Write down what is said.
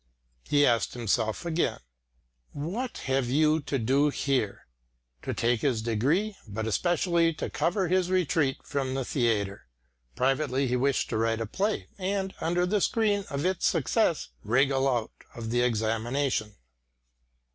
He asked himself again, "What have you to do here?" To take his degree, but especially to cover his retreat from the theatre. Privately he wished to write a play, and, under the screen of its success, wriggle out of the examination.